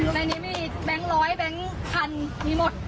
ในนี้มีแบงค์ร้อยแบงค์พันมีหมด